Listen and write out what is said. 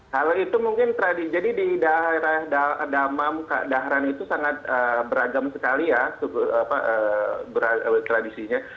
kalau itu mungkin jadi di daerah damam dahran itu sangat beragam sekali ya tradisinya